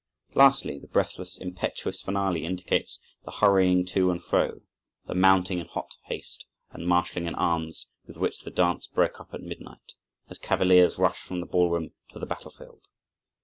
Lastly, the breathless, impetuous finale indicates the "hurrying to and fro," the "mounting in hot haste," and "marshalling in arms," with which the dance broke up at midnight, as cavaliers rushed from the ball room to the battlefield.